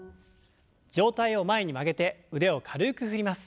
上体を前に曲げて腕を軽く振ります。